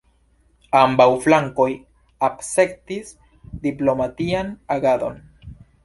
Ambaŭ flankoj akcentis diplomatian agadon.